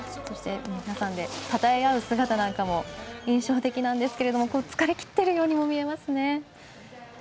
そして皆さんでたたえ合う姿なんかも印象的なんですけど疲れきっているようにも見えますね。